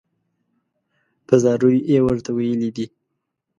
په زاریو یې ورته ویلي دي.